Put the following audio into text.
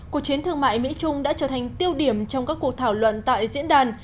cuộc chiến thương mại mỹ trung đã trở thành tiêu điểm trong các cuộc thảo luận tại diễn đàn